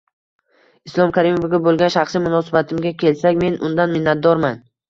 Islom Karimovga bo'lgan shaxsiy munosabatimga kelsak, men undan minnatdorman